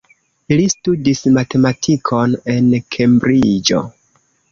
Li studis matematikon en Kembriĝo.